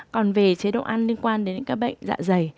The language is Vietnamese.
còn về chế độ ăn liên quan đến các bệnh dạ dày